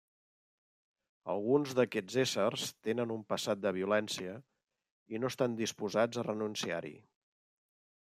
Alguns d'aquests éssers tenen un passat de violència, i no estan disposats a renunciar-hi.